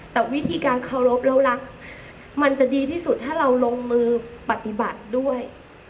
แต่วิธีการเคารพแล้วรักมันจะดีที่สุดถ้าเราลงมือปฏิบัติด้วย